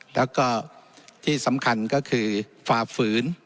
แล้วก็ที่สำคัญก็คือฝ่าฝืน